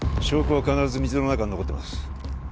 証拠は必ず水の中に残ってます